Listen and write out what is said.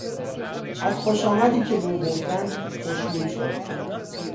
از خوش آمدی که به او گفتند خوشنود شد.